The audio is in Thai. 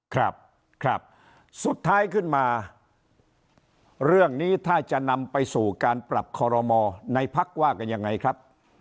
ครับครับสุดท้ายขึ้นมาเรื่องนี้ถ้าจะนำไปสู่การปรับคอรมอในพักว่ากันยังไงครับ